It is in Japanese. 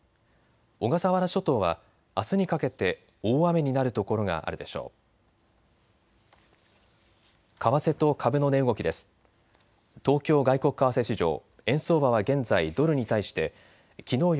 小笠原諸島はあすにかけて大雨になる所があるでしょう。